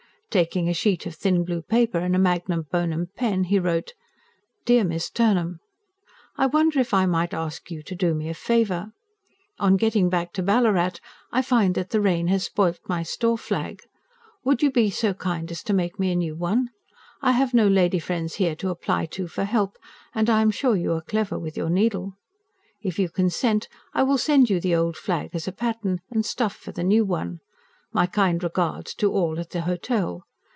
Taking a sheet of thin blue paper and a magnum bonum pen he wrote: DEAR MISS TURNHAM, I WONDER IF I MIGHT ASK YOU TO DO ME A FAVOUR? ON GETTING BACK TO BALLARAT, I FIND THAT THE RAIN HAS SPOILT MY STORE FLAG. WOULD YOU BE SO KIND AS TO MAKE ME A NEW ONE? I HAVE NO LADY FRIENDS HERE TO APPLY TO FOR HELP, AND I AM SURE YOU ARE CLEVER WITH YOUR NEEDLE. IF YOU CONSENT, I WILL SEND YOU THE OLD FLAG AS A PATTERN, AND STUFF FOR THE NEW ONE. MY KIND REGARDS TO ALL AT THE HOTEL.